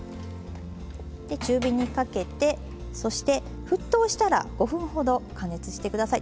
中火にかけてそして沸騰したら５分ほど加熱して下さい。